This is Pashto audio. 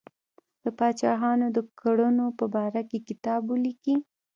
د پاچاهانو د کړنو په باره کې کتاب ولیکي.